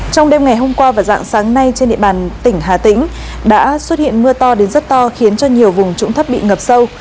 trong đêm ngày hôm qua và dạng sáng nay trên địa bàn tỉnh hà tĩnh đã xuất hiện mưa to đến rất to khiến cho nhiều vùng trũng thấp bị ngập sâu